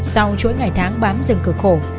sau chuỗi ngày tháng bám rừng cực khổ